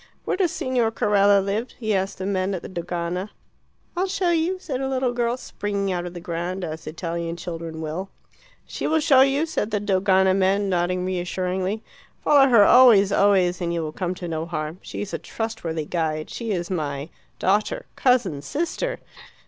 "Where does Signor Carella live?" he asked the men at the Dogana. "I'll show you," said a little girl, springing out of the ground as Italian children will. "She will show you," said the Dogana men, nodding reassuringly. "Follow her always, always, and you will come to no harm. She is a trustworthy guide. She is my daughter." cousin." sister."